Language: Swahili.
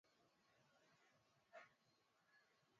Umekazana sana